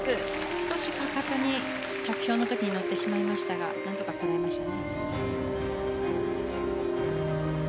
少しかかとに着氷の時に乗ってしまいましたが何とかこらえましたね。